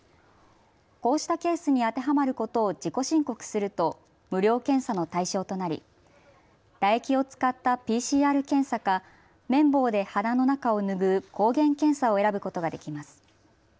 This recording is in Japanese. こうしたケースに当てはまることを自己申告すると無料検査の対象となり唾液を使ったＰＣＲ検査か綿棒で鼻の中を拭う抗原検査を選ぶことができます。